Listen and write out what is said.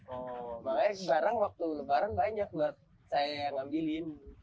oh makanya barang waktu barang banyak buat saya ngambilin